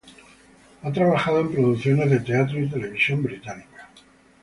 Ha trabajado en producciones de teatro y televisión británica.